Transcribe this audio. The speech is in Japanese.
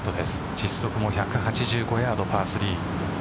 実測も１８５ヤードパー３。